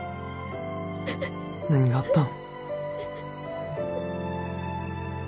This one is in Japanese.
何があったん？